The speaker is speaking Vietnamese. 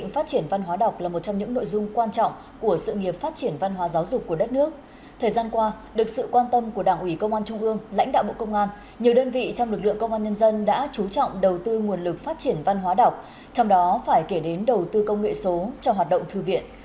nhiều đơn vị trong lực lượng công an nhân dân đã chú trọng đầu tư nguồn lực phát triển văn hóa đọc trong đó phải kể đến đầu tư công nghệ số cho hoạt động thư viện